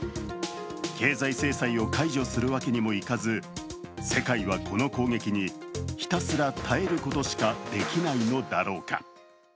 経済制裁を解除するわけにもいかず、世界はこの攻撃にひたすら耐えることしかできないのだろうか。